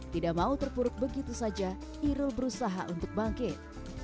tidak mau terpuruk begitu saja irul berusaha untuk bangkit